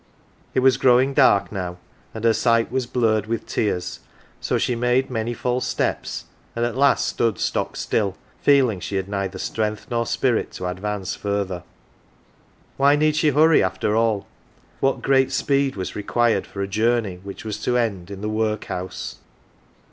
It was growing dark now, and her sight was blurred with tears, so she made many false steps, and at last stood stock still, feeling she had neither strength nor .spirit to advance further. Why need she hurry, after all ? What great speed was required for a journey which was to end in the workhouse.